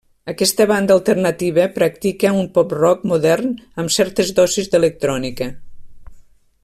Aquesta banda alternativa practica un pop-rock modern amb certes dosis d'electrònica.